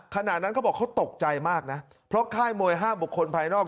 ขณะนั้นเขาบอกเขาตกใจมากนะเพราะค่ายมวยห้ามบุคคลภายนอก